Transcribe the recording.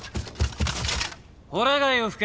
ほら貝を吹け。